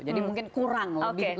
jadi mungkin kurang